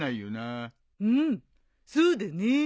うんそうだね。